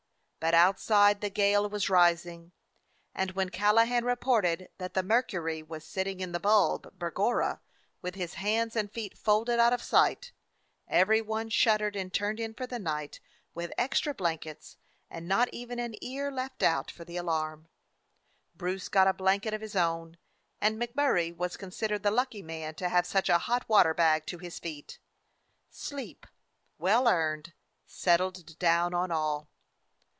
But outside the gale was rising, and when Callahan reported that the mercury was "sit ting in the bulb, begorra, with his hands and feet folded out of sight," every one shuddered and turned in for the night with extra blan kets, and not even an ear left out for the alarm. Bruce got a blanket of his own, and MacMurray was considered the lucky man to have such a hot water bag to his feet. Sleep, well earned, settled down on all.